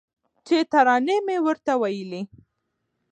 چي ترانې مي ورته ویلې